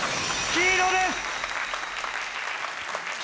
黄色です！